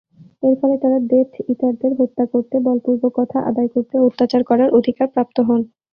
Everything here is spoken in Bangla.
এর ফলে তারা ডেথ ইটারদের হত্যা করতে, বলপূর্বক কথা আদায় করতে ও অত্যাচার করার অধিকার প্রাপ্ত হন।